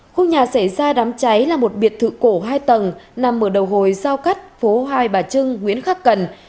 khu nhà xảy ra đám cháy là một biệt thự cổ hai tầng nằm ở đầu hồi giao cắt phố hai bà trưng nguyễn khắc cần